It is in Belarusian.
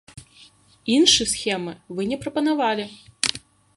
Іншы схемы вы не прапанавалі.